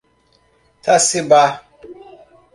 Taciba